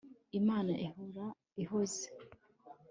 imana ihora ihoze